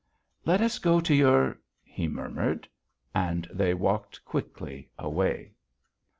"Let us go to your " he murmured. And they walked quickly away.